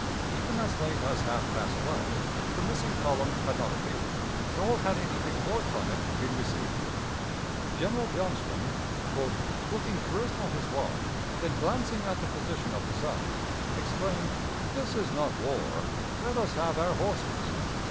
Even as late as half past twelve the missing column had not appeared, nor had any report from it been received. General Johnston, "looking first at his watch, then glancing at the position of the sun, exclaimed: 'This is not war! Let us have our horses!'